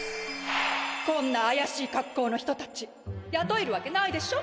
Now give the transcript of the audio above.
こんなあやしいかっこうの人たちやとえるわけないでしょ。